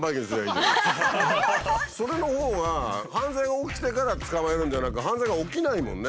それのほうが犯罪が起きてから捕まえるんじゃなく犯罪が起きないもんね。